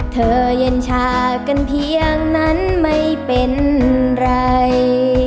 เธอเย็นชากันเพียงนั้นไม่เป็นไร